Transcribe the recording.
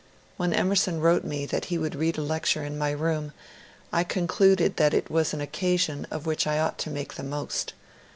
When Emerson wrote me that he would read a lecture in my room, I concluded that it was an occasion of which I ought to make the most.